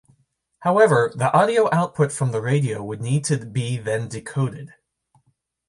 However, the audio output from the radio would need to be then decoded.